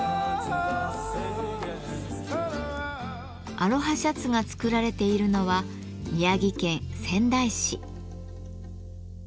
アロハシャツが作られているのは宮城県仙台市。